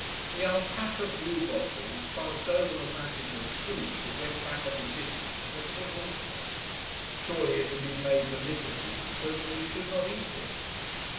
The alpaca blue bottles buzzed over the masses of food that went back on the dishes to the tin altar. Surely it had been made deliberately so that we should not eat it!